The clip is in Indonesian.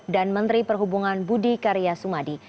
dan menteri perhubungan budi karya sumadi